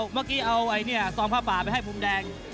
เมื่อกี้เอาซองผ้าป่าไปให้มุมแดง